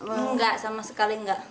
enggak sama sekali enggak